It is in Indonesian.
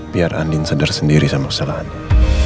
biar andin sadar sendiri sama kesalahannya